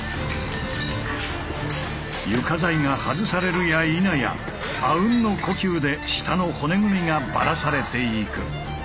床材が外されるやいなやあうんの呼吸で下の骨組みがバラされていく！